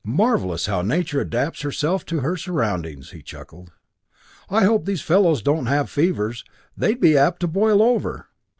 Marvelous how nature adapts herself to her surroundings!" He chuckled. "I hope these fellows don't have fevers. They'd be apt to boil over!"